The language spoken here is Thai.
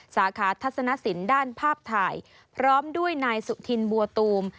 สาขาทัศนสินด้านภาพถ่ายพร้อมด้วยนายสุธินบัวตูม